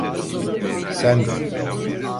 Sen de!